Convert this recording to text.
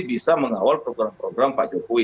bisa mengawal program program pak jokowi